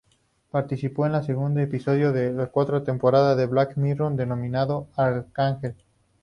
Participó en el segundo episodio de la cuarta temporada de "Black Mirror" denominado "Arkangel".